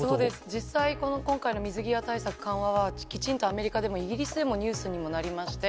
実際この今回の水際対策緩和は、きちんとアメリカでもイギリスでもニュースにもなりまして。